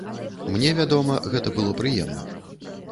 Мне, вядома, гэта было прыемна.